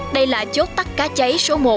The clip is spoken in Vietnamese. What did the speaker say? đây là chốt tắt cá cháy số một